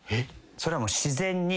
それはもう自然に。